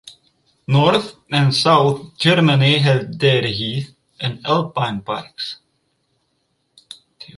North and South Germany have their heath and alpine parks.